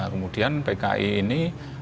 kemudian pki ini